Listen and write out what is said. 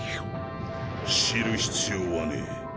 知る必要はねえ。